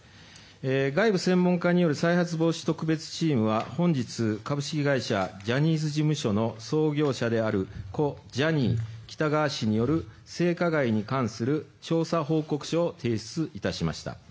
外部専門家による再発防止特別チームは本日、株式会社ジャニーズ事務所の創業者である故ジャニー喜多川氏による性加害に関する調査報告書を提出いたしました。